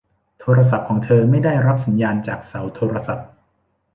โทรศัพท์ของเธอไม่ได้รับสัญญาณจากเสาโทรศัพท์